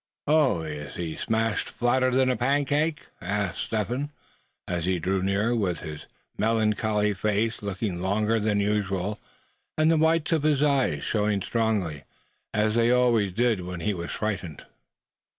"Oh! is he smashed flatter'n a pancake?" asked Step Hen, as he drew near, with his melancholy face looking longer than usual; and the whites of his eyes showing strongly, as they always did when he was frightened.